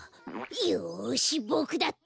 よしボクだって！